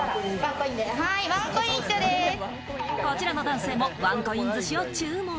こちらの男性もワンコイン寿司を注文。